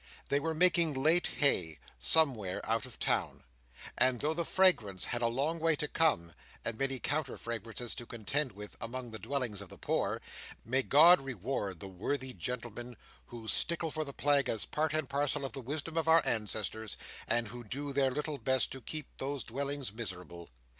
They were making late hay, somewhere out of town; and though the fragrance had a long way to come, and many counter fragrances to contend with among the dwellings of the poor (may God reward the worthy gentlemen who stickle for the Plague as part and parcel of the wisdom of our ancestors, and who do their little best to keep those dwellings miserable!)